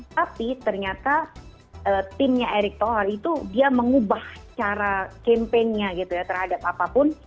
tapi ternyata timnya erick thokir itu dia mengubah cara campaignnya gitu ya terhadap apapun